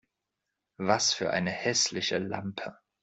Was für eine hässliche Lampe!